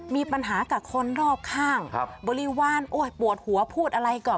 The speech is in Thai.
มีปัญหากับคนรอบข้างบริวารโอ้ยปวดหัวพูดอะไรก่อน